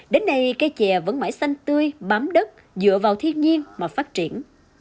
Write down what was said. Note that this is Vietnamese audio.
đến nay cây chè vẫn mãi xanh tươi bám đất dựa vào thiên nhiên mà phát triển